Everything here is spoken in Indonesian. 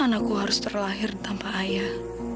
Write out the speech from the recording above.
anakku harus terlahir tanpa ayah